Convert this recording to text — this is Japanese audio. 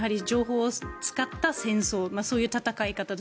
情報を使った戦争そういう戦い方。